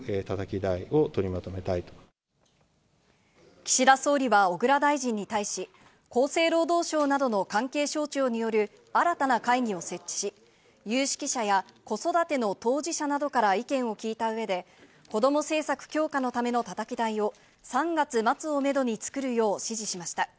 岸田総理は小倉大臣に対し、厚生労働省などの関係省庁による新たな会議を設置し、有識者や子育ての当事者などから意見を聞いた上で、子ども政策強化のためのたたき台を３月末をめどに作るよう指示しました。